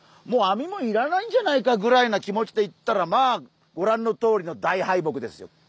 もう網もいらないんじゃないかぐらいの気持ちで行ったらまあご覧のとおりの大敗北ですよ。